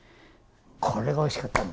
これがおいしかったんだ